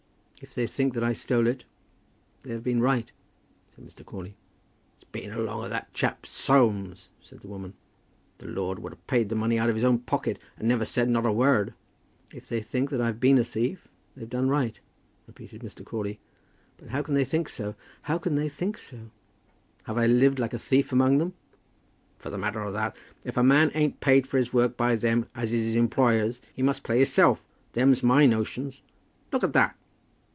"If they think that I stole it, they have been right," said Mr. Crawley. "It's been along of that chap, Soames," said the woman. "The lord would 've paid the money out of his own pocket and never said not a word." "If they think that I've been a thief, they've done right," repeated Mr. Crawley. "But how can they think so? How can they think so? Have I lived like a thief among them?" "For the matter o' that, if a man ain't paid for his work by them as is his employers, he must pay hisself. Them's my notions. Look at that!"